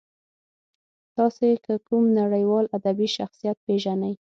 تاسې که کوم نړیوال ادبي شخصیت پېژنئ.